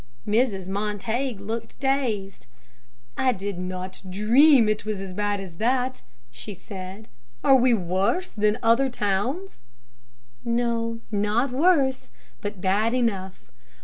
Mrs. Montague looked dazed. "I did not dream that it was as bad as that," she said. "Are we worse than other towns?" "No; not worse, but bad enough.